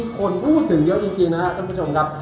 คนพูดถึงเยอะจริงนะครับท่านผู้ชมครับ